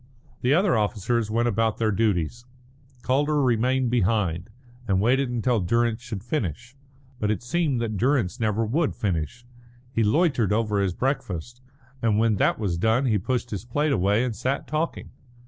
The other officers went about their duties; Calder remained behind, and waited until Durrance should finish. But it seemed that Durrance never would finish. He loitered over his breakfast, and when that was done he pushed his plate away and sat talking.